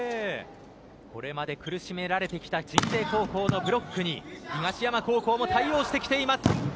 これまで苦しめられてきた鎮西高校のブロックに東山高校も対応してきています。